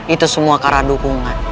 itu semua karena dukungan